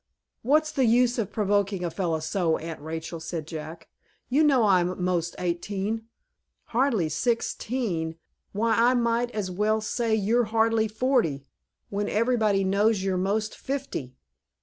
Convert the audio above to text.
"What's the use of provoking a fellow so, Aunt Rachel?" said Jack. "You know I'm most eighteen. Hardly sixteen! Why, I might as well say you're hardly forty, when everybody knows you're most fifty."